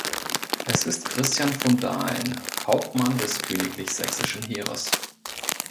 Es ist Christian von Dahlen, Hauptmann des königlich-sächsischen Heeres.